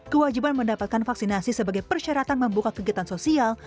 kewajiban mendapatkan vaksinasi sebagai persyaratan membuka kegiatan sosial